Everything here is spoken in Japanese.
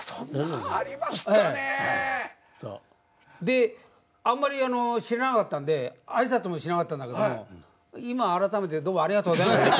であんまり知らなかったんで挨拶もしなかったんだけど今あらためてどうもありがとうございました。